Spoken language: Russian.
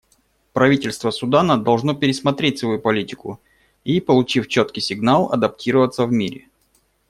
Правительство Судана должно пересмотреть свою политику и, получив четкий сигнал, адаптироваться в мире.